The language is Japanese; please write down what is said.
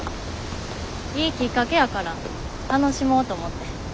いいきっかけやから楽しもうと思って。